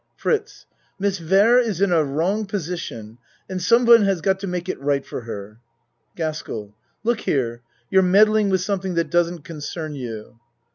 FRITZ Miss Ware is in a wrong position and some one has got to make it right for her. GASKELL Look here. You're meddling with something that doesn't concern you.